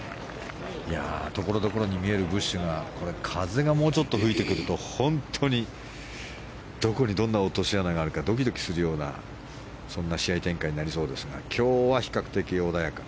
ところどころに見えるブッシュが風がもうちょっと吹いてくると本当にどこにどんな落とし穴があるかドキドキするようなそんな試合展開になりそうですが今日は比較的穏やか。